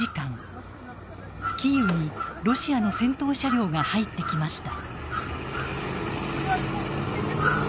キーウにロシアの戦闘車両が入ってきました。